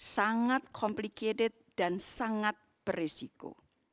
sangat komplikasi dan sangat berisiko